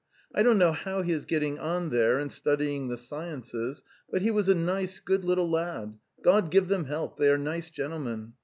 I don't know how he is getting on there in studying the sciences, but he was a nice good little lad. ... God give them help, they are nice gentle men.